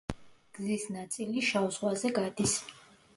გზის ნაწილი შავ ზღვაზე გადის.